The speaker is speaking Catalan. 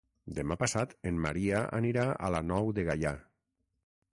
Demà passat en Maria anirà a la Nou de Gaià.